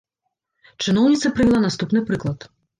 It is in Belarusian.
Чыноўніца прывяла наступны прыклад.